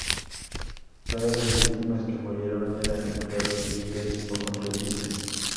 Todas las víctimas que murieron eran empleados civiles o contratistas.